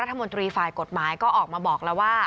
โรงนี้ย้วนระทมตรีฝ่ายกฎหมายก็ออกมาบอกแล้วว่า